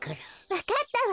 わかったわ！